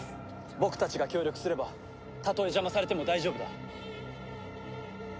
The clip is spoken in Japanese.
僕たちが協力すればたとえ邪魔されても大丈夫だ。